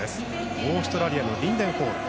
オーストラリアのリンデン・ホール。